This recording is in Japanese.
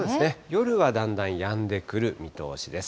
夜はだんだんやんでくる見通しです。